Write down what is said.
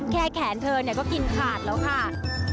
แค่แขนเธอก็กินขาดแล้วค่ะ